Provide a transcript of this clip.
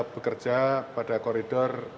bekerja pada koridor